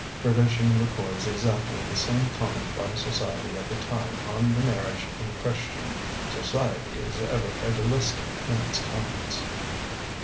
Tradition records exactly the same comment by society at the time on the marriage in question. Society is ever fatalistic in its comments.